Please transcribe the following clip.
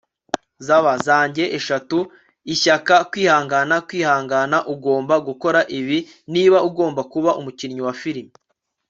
zab zanjye eshatu: ishyaka, kwihangana, kwihangana. ugomba gukora ibi niba ugomba kuba umukinnyi wa firime